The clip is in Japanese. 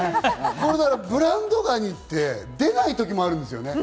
ブランドガニって出ない時もあるんですよね。